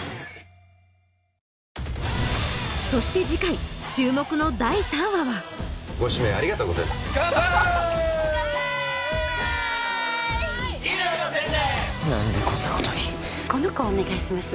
そして次回注目の第３話はご指名ありがとうございますカンパイカンパイカンパイ何でこんなことにこの子お願いします